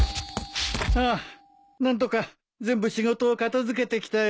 ああ何とか全部仕事を片付けてきたよ。